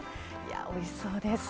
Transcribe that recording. おいしそうです。